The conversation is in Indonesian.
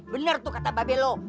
bener tuh kata babe lo